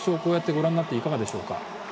ご覧になっていかがですか？